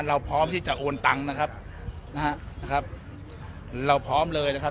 เราพร้อมที่จะโอนตังค์นะครับนะฮะเราพร้อมเลยนะครับ